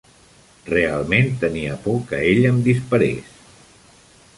Realment tenia por que ella em disparés.